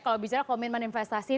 kalau bicara komitmen investasi